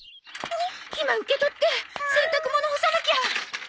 ひま受け取って洗濯物干さなきゃ！